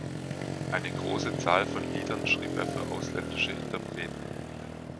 Eine große Zahl von Liedern schrieb er für ausländische Interpreten.